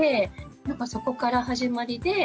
なんかそこから始まりで。